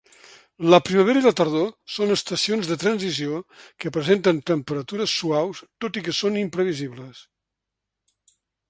La primavera i la tardor són estacions de transició que presenten temperatures suaus tot i que són imprevisibles.